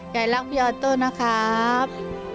ยายรักพี่ออโต้นะครับ